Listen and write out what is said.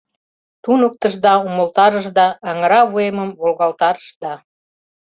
Туныктышда, умылтарышда, аҥыра вуемым волгалтарышда...